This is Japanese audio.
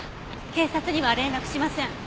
警察には連絡しません。